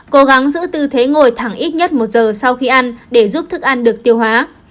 cố gắng giữ tư thế ngồi thẳng ít nhất một giờ sau khi ăn để giúp thức ăn được tiêu hóa